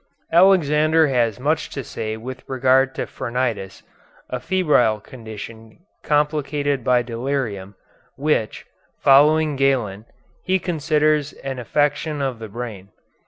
Alexander has much to say with regard to phrenitis, a febrile condition complicated by delirium, which, following Galen, he considers an affection of the brain.